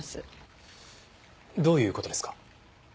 どういう事ですか？